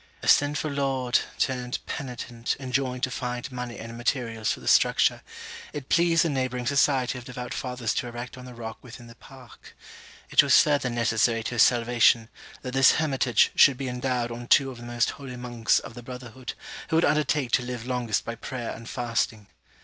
'A sinful lord, turned penitent, enjoined to find money and materials for the structure, it pleased a neighbouring society of devout fathers to erect on the rock within the park. It was further necessary to his salvation, that this hermitage should be endowed on two of the most holy monks of the brotherhood, who would undertake to live longest by prayer and fasting.